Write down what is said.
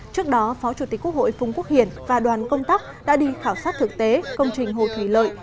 trước đó phó chủ tịch quốc hội phung quốc hiển và đoàn công tác đã đi khảo sát thực tế công trình hồ thủy lợi